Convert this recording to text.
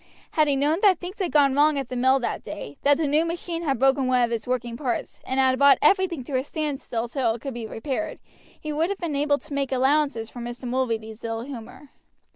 Had he known that things had gone wrong at the mill that day, that the new machine had broken one of its working parts and had brought everything to a standstill till it could be repaired, he would have been able to make allowances for Mr. Mulready's ill humor.